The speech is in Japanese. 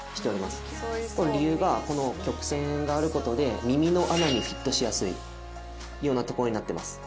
理由がこの曲線がある事で耳の穴にフィットしやすいようなところになってます。